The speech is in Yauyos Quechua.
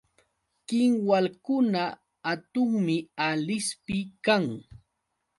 Kinwalkuna hatunmi Alispi kan.